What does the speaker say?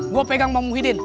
gue pegang bang muhyiddin